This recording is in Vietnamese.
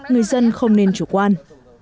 người dân không nên chủ quan